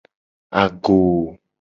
Agoo.